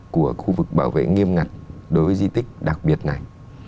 của khu vực bảo vệ nghiêm ngặt đối với di tích đặc biệt này